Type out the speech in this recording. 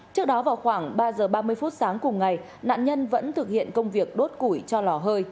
trước đó vào khoảng ba giờ ba mươi phút sáng cùng ngày nạn nhân vẫn thực hiện công việc đốt củi cho lò hơi